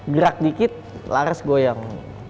gerak dikit laras goyang